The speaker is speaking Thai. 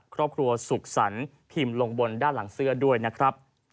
ครอบครัวสุขสรรค์พิมพ์ลงบนด้านหลังเสื้อด้วยนะครับ